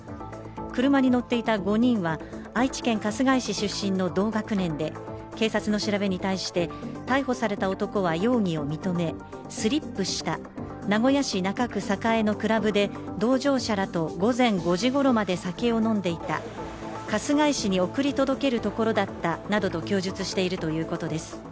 車に乗っていた５人は愛知県春日井市出身の同学年で警察の調べに対して、逮捕された男は容疑を認めスリップした、名古屋市中区栄のクラブで同乗者らと午前５時ごろまで酒を飲んでいた、春日井市に送り届けるところだったなどと供述しているということです。